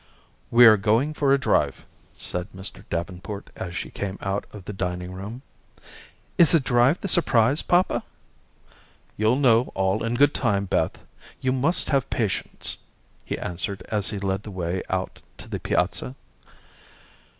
"We're going for a drive," said Mr. Davenport as she came out of the dining room. "Is the drive the surprise, papa?" "You'll know all in good time, Beth. You must have patience," he answered as he led the way out to the piazza.